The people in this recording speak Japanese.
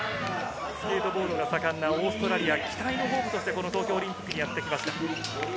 スケートボードが盛んなオーストラリア、期待のホープとして東京オリンピックにやってきました。